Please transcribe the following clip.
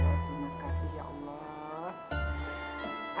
terima kasih ya allah